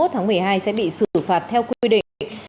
ba mươi một tháng một mươi hai sẽ bị xử phạt theo quy định